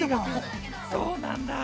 そうなんだ。